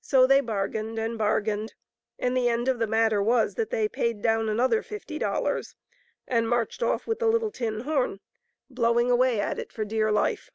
So they bargained and bargained, and the end of the matter was that they paid down another fifty dollars and marched off with the little tin horn, blowing away at it for dear life.